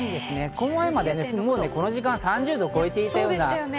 この前までは、この時間３０度を超えていました。